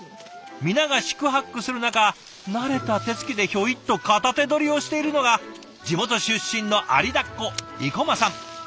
皆が四苦八苦する中慣れた手つきでひょいっと片手どりをしているのが地元出身の有田っ子生駒さん。